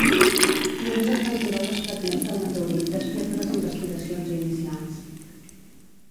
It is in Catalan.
Només es van trobar dos fragments del meteorit després de les investigacions inicials.